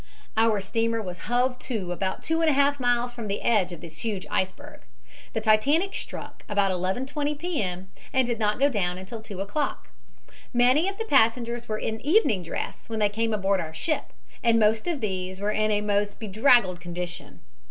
"Our steamer was hove to about two and a half miles from the edge of this huge iceberg. The Titanic struck about 11.20 P. M. and did not go down until two o'clock. Many of the passengers were in evening dress when they came aboard our ship, and most of these were in a most bedraggled condition.